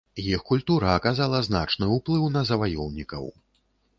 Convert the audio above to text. Іх культура аказала значны ўплыў на заваёўнікаў.